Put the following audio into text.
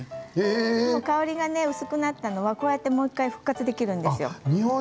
香りが薄くなったのはこうやってもう１回復活できるんですよ。